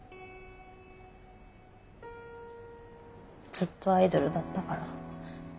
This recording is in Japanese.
ずっとアイドルだったから。